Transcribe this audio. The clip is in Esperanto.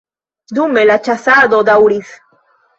Dume la ĉasado daŭris.